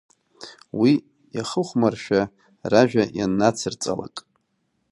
Уи иахыхәмаршәа ражәа ианнацырҵалак…